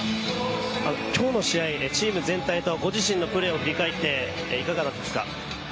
今日の試合、チーム全体とご自身のプレーを振り返っていかがでしたか？